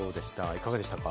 いかがでしたか？